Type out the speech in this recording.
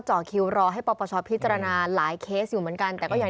เจาะคิวรอให้ปปชพิจารณาหลายเคสอยู่มันกันแต่ก็อย่าง